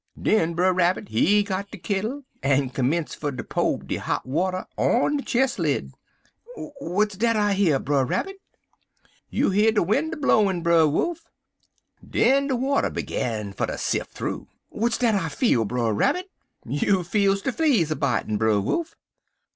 Den Brer Rabbit he got de kittle en commenced fer to po' de hot water on de chist lid. "'W'at dat I hear, Brer Rabbit?' "'You hear de win' a blowin', Brer Wolf.' "Den de water begin fer ter sif' thoo. "'W'at dat I feel, Brer Rabbit?' "'You feels de fleas a bitin', Brer Wolf.'